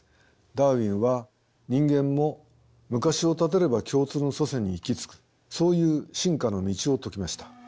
ダーウィンは人間も昔をたどれば共通の祖先に行き着くそういう進化の道を説きました。